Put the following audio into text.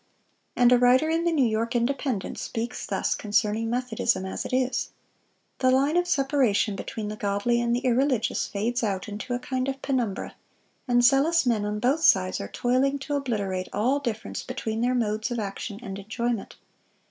And a writer in the New York Independent speaks thus concerning Methodism as it is: "The line of separation between the godly and the irreligious fades out into a kind of penumbra, and zealous men on both sides are toiling to obliterate all difference between their modes of action and enjoyment."